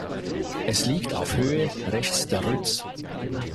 Es liegt auf Höhe rechts der Ruetz.